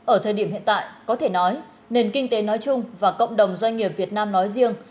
ở thời điểm hiện tại có thể nói nền kinh tế nói chung và cộng đồng doanh nghiệp việt nam nói riêng